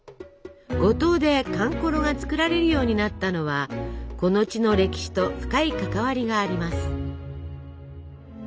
五島でかんころが作られるようになったのはこの地の歴史と深い関わりがあります。